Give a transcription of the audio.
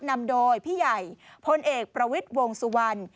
นำโดยพี่ใหญ่พลเอกประวิทย์วงสุวรรณ